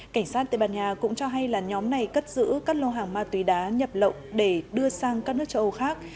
cảnh sát tây ban nha cũng cho hay là nhóm này cất giữ các lô hàng ma túy đá nhập lậu để đưa sang các nước châu âu khác